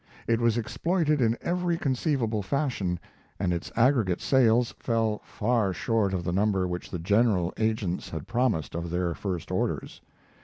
It was exploited in every conceivable fashion, and its aggregate sales fell far short of the number which the general agents had promised for their first orders.